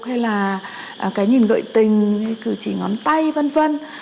hay là cái nhìn gợi tình như cử chỉ ngón tay v v